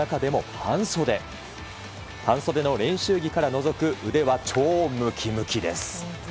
半袖の練習着からのぞく腕は超ムキムキです。